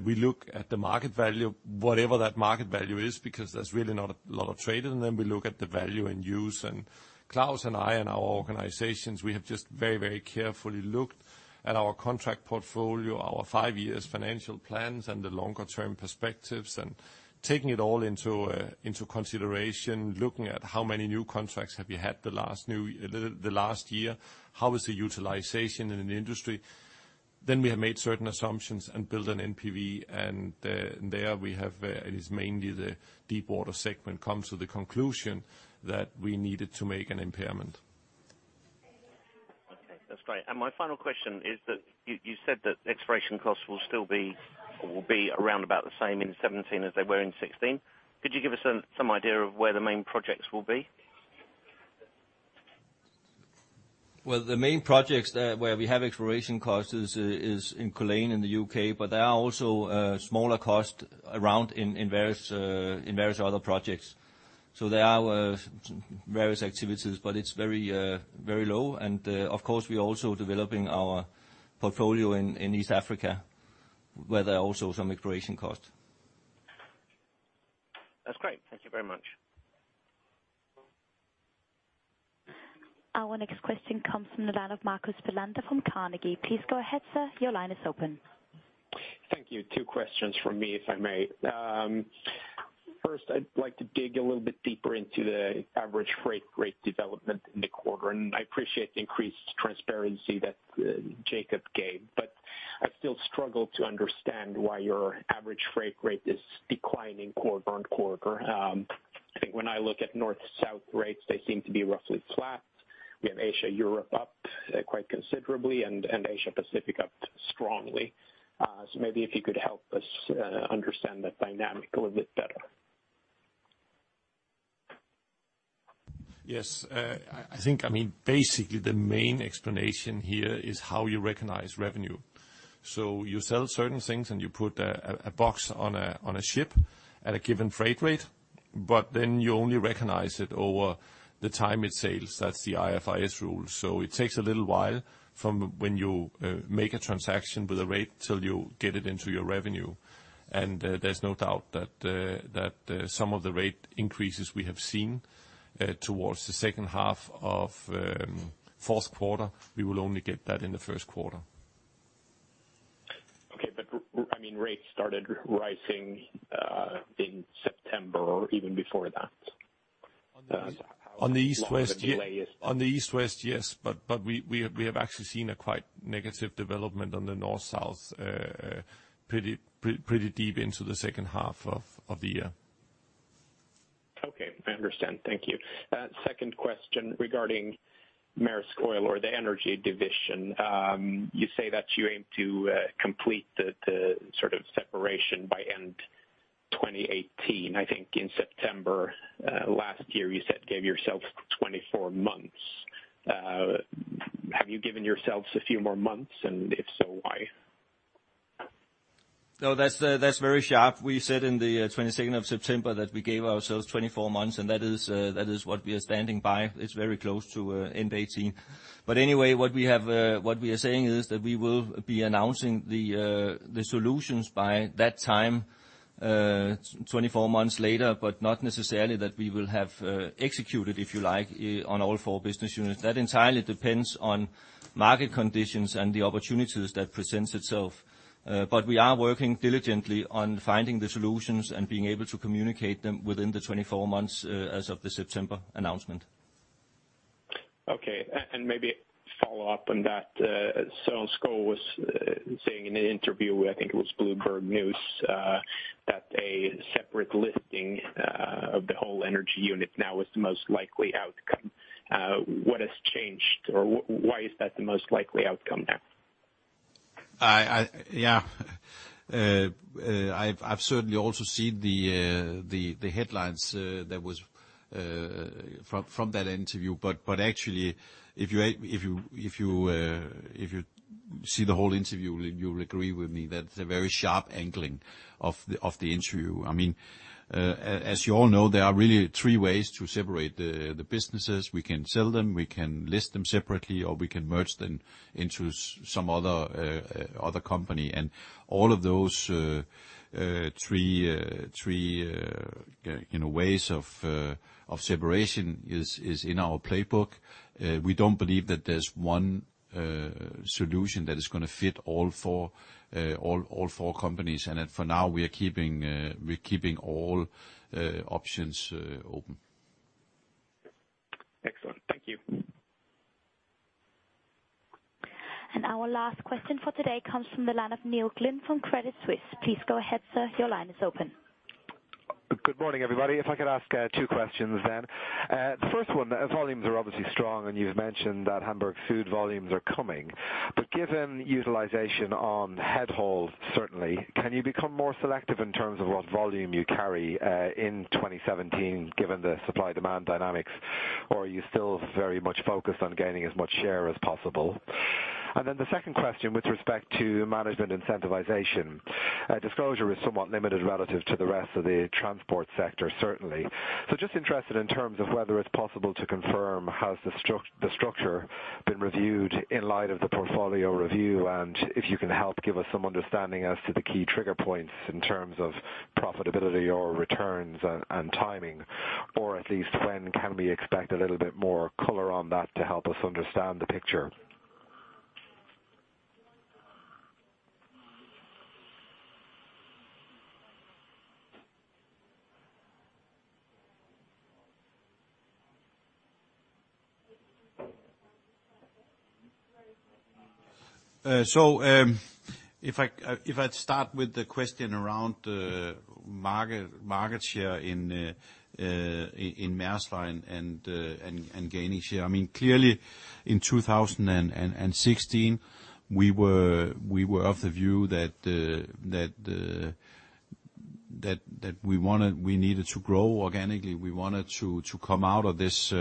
[SPEAKER 2] We look at the market value, whatever that market value is, because there's really not a lot of trade. We look at the value in use. Claus and I and our organizations, we have just very carefully looked at our contract portfolio, our five-year financial plans, and the longer-term perspectives. Taking it all into consideration, looking at how many new contracts we have had the last year, how is the utilization in the industry, then we have made certain assumptions and built an NPV. There we have it. It is mainly the deepwater segment. We come to the conclusion that we needed to make an impairment.
[SPEAKER 10] Okay, that's great. My final question is that you said that exploration costs will still be or will be around about the same in 2017 as they were in 2016. Could you give us some idea of where the main projects will be?
[SPEAKER 3] Well, the main projects where we have exploration costs is in Culzean in the U.K., but there are also smaller costs around in various other projects. There are various activities, but it's very low. Of course, we are also developing our portfolio in East Africa, where there are also some exploration costs.
[SPEAKER 10] That's great. Thank you very much.
[SPEAKER 4] Our next question comes from the line of Marcus Bellander from Carnegie. Please go ahead, sir. Your line is open.
[SPEAKER 11] Thank you. Two questions from me, if I may. First, I'd like to dig a little bit deeper into the average freight rate development in the quarter, and I appreciate the increased transparency that Jakob gave, but I still struggle to understand why your average freight rate is declining quarter-on-quarter. I think when I look at North-South rates, they seem to be roughly flat. We have Asia-Europe up quite considerably and Asia Pacific up strongly. Maybe if you could help us understand that dynamic a little bit better.
[SPEAKER 2] Yes. I think, I mean, basically the main explanation here is how you recognize revenue. You sell certain things and you put a box on a ship at a given freight rate, but then you only recognize it over the time it sails. That's the IFRS rule. It takes a little while from when you make a transaction with a rate till you get it into your revenue. There's no doubt that some of the rate increases we have seen towards the second half of fourth quarter, we will only get that in the first quarter.
[SPEAKER 11] I mean, rates started rising in September or even before that.
[SPEAKER 2] On the East-West, yeah.
[SPEAKER 11] How long the delay is?
[SPEAKER 2] On the East-West, yes. We have actually seen a quite negative development on the North-South, pretty deep into the second half of the year.
[SPEAKER 11] Okay, I understand. Thank you. Second question regarding Maersk Oil or the energy division. You say that you aim to complete the sort of separation by end 2018. I think in September last year, you said you gave yourself 24 months. Have you given yourselves a few more months, and if so, why?
[SPEAKER 1] No, that's very sharp. We said in the 22nd of September that we gave ourselves 24 months, and that is what we are standing by. It's very close to end 2018. Anyway, what we are saying is that we will be announcing the solutions by that time, 24 months later, but not necessarily that we will have executed, if you like, on all four business units. That entirely depends on market conditions and the opportunities that presents itself. We are working diligently on finding the solutions and being able to communicate them within the 24 months, as of the September announcement.
[SPEAKER 11] Okay. Maybe follow up on that. Søren Skou was saying in an interview, I think it was Bloomberg News, that a separate listing of the whole energy unit now is the most likely outcome. What has changed, or why is that the most likely outcome now?
[SPEAKER 1] I've certainly also seen the headlines that was from that interview. Actually, if you see the whole interview, then you'll agree with me that it's a very sharp angling of the interview. I mean, as you all know, there are really three ways to separate the businesses. We can sell them, we can list them separately, or we can merge them into some other company. All of those three, you know, ways of separation is in our playbook. We don't believe that there's one solution that is gonna fit all four companies. For now, we're keeping all options open.
[SPEAKER 11] Excellent. Thank you.
[SPEAKER 4] Our last question for today comes from the line of Neil Glynn from Credit Suisse. Please go ahead, sir. Your line is open.
[SPEAKER 12] Good morning, everybody. If I could ask two questions then. The first one, volumes are obviously strong, and you've mentioned that Hamburg Süd volumes are coming. Given utilization on head haul, certainly, can you become more selective in terms of what volume you carry in 2017, given the supply-demand dynamics, or are you still very much focused on gaining as much share as possible? Then the second question with respect to management incentivization. Disclosure is somewhat limited relative to the rest of the transport sector, certainly. Just interested in terms of whether it's possible to confirm the structure has been reviewed in light of the portfolio review, and if you can help give us some understanding as to the key trigger points in terms of profitability or returns and timing, or at least when can we expect a little bit more color on that to help us understand the picture.
[SPEAKER 1] If I start with the question around market share in Maersk, right, and gaining share. I mean, clearly in 2016, we were of the view that we wanted, we needed to grow organically. We wanted to come out of this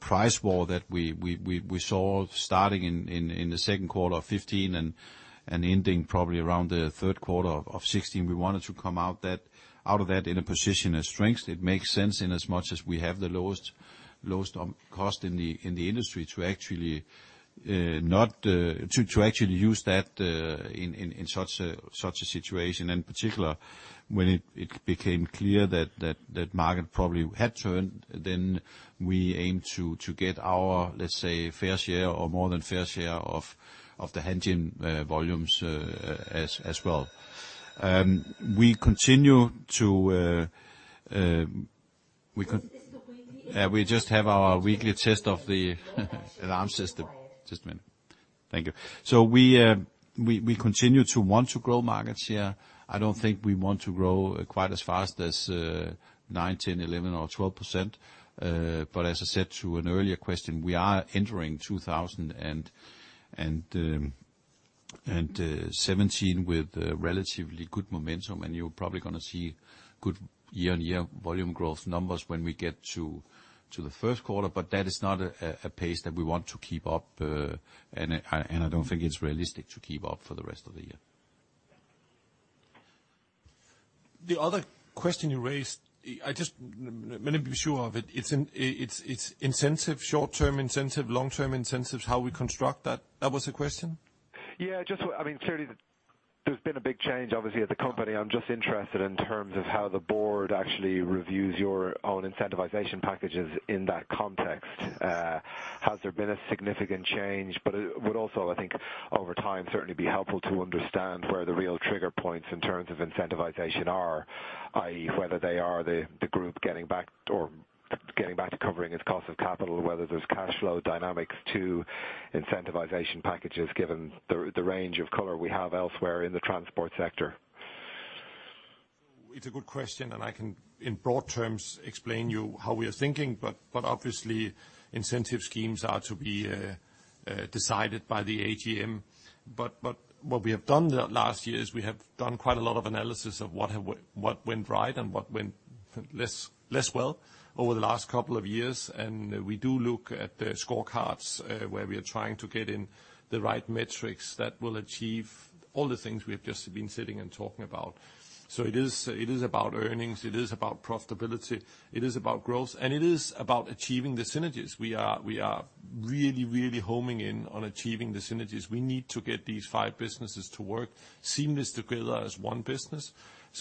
[SPEAKER 1] price war that we saw starting in the second quarter of 2015 and ending probably around the third quarter of 2016. We wanted to come out of that in a position of strength. It makes sense inasmuch as we have the lowest cost in the industry to actually use that in such a situation. In particular, when it became clear that market probably had turned, then we aim to get our, let's say, fair share or more than fair share of the Hanjin volumes, as well. We can- This is a weekly. Yeah, we just have our weekly test of the alarm system. Just a minute. Thank you. So we continue to want to grow market share. I don't think we want to grow quite as fast as 9%, 10%, 11%, or 12%. But as I said to an earlier question, we are entering 2017 with relatively good momentum. You're probably gonna see good year-on-year volume growth numbers when we get to the first quarter, but that is not a pace that we want to keep up, and I don't think it's realistic to keep up for the rest of the year. The other question you raised, I just wanna be sure of it. It's incentives, short-term incentives, long-term incentives, how we construct that? That was the question.
[SPEAKER 12] Yeah, I mean, clearly there's been a big change, obviously, at the company. I'm just interested in terms of how the board actually reviews your own incentivization packages in that context. Has there been a significant change? It would also, I think, over time, certainly be helpful to understand where the real trigger points in terms of incentivization are, i.e., whether they are the group getting back to covering its cost of capital, whether there's cash flow dynamics to incentivization packages, given the range of color we have elsewhere in the transport sector.
[SPEAKER 2] It's a good question, and I can, in broad terms, explain to you how we are thinking, but obviously, incentive schemes are to be decided by the AGM. What we have done the last year is we have done quite a lot of analysis of what went right and what went less well over the last couple of years. We do look at the scorecards, where we are trying to get in the right metrics that will achieve all the things we have just been sitting and talking about. It is about earnings, it is about profitability, it is about growth, and it is about achieving the synergies. We are really homing in on achieving the synergies. We need to get these five businesses to work seamlessly together as one business.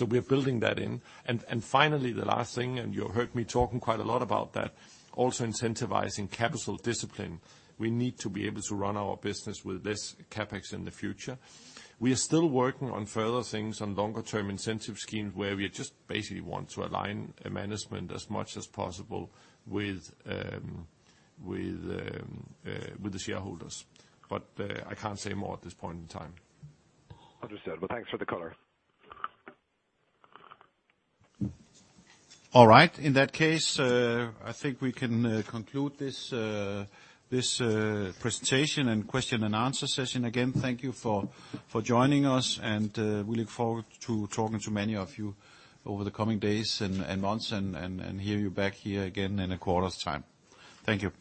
[SPEAKER 2] We're building that in. Finally, the last thing, and you heard me talking quite a lot about that, also incentivizing capital discipline. We need to be able to run our business with less CapEx in the future. We are still working on further things, on longer term incentive schemes, where we just basically want to align management as much as possible with the shareholders. I can't say more at this point in time.
[SPEAKER 12] Understood. Well, thanks for the color.
[SPEAKER 1] All right. In that case, I think we can conclude this presentation and question and answer session. Again, thank you for joining us and we look forward to talking to many of you over the coming days and months and hear you back here again in a quarter's time. Thank you.